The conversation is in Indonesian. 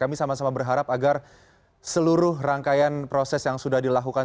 kami sama sama berharap agar seluruh rangkaian proses yang sudah dilakukan